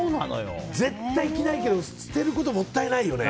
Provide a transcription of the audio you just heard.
絶対着ないけど捨てるのはもったいないよね。